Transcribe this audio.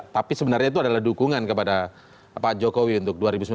tapi sebenarnya itu adalah dukungan kepada pak jokowi untuk dua ribu sembilan belas